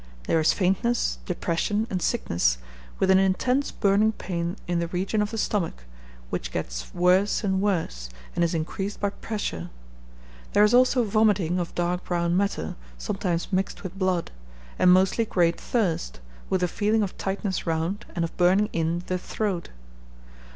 There is faintness, depression, and sickness, with an intense burning pain in the region of the stomach, which gets worse and worse, and is increased by pressure. There is also vomiting of dark brown matter, sometimes mixed with blood; and mostly great thirst, with a feeling of tightness round, and of burning in, the throat.